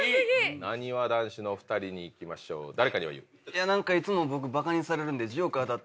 なにわ男子のお２人にいきましょう「誰かには言う」。